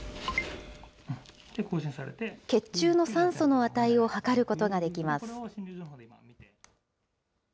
血中の酸素の値を測ることができます。